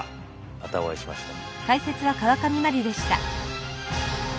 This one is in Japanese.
またお会いしましょう。